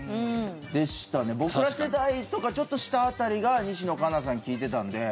僕ら世代とかちょっと下辺りが西野カナさん聴いてたので。